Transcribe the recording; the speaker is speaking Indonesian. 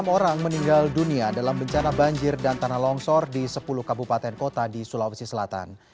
enam orang meninggal dunia dalam bencana banjir dan tanah longsor di sepuluh kabupaten kota di sulawesi selatan